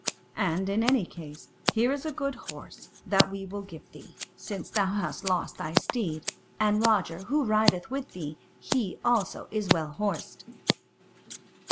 And in any case, here is a good horse that we will give thee, since thou hast lost thy steed; and Roger who rideth with thee, he also is well horsed."